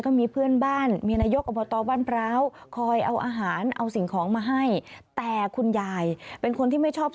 แต่หลังจากล้มป่วยกลับมาอยู่บ้านกับคุณยายนี่แหละ